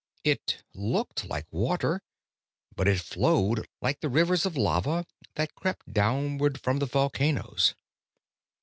It looked like water, but it flowed like the rivers of lava that crept downward from the volcanoes.